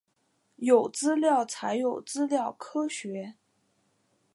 有资料才有资料科学